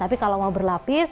tapi kalau mau berlapis